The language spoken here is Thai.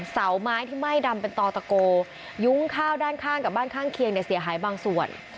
เสาไม้ที่ไหม้ดำเป็นต่อตะโกยุ้งข้าวด้านข้างกับบ้านข้างเคียงเนี่ยเสียหายบางส่วน